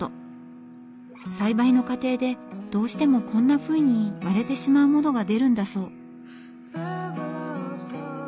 栽培の過程でどうしてもこんなふうに割れてしまうものが出るんだそう。